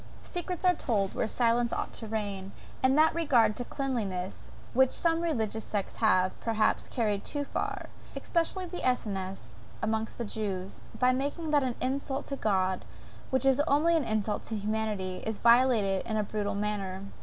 Secrets are told where silence ought to reign; and that regard to cleanliness, which some religious sects have, perhaps, carried too far, especially the Essenes, amongst the Jews, by making that an insult to God which is only an insult to humanity, is violated in a brutal manner.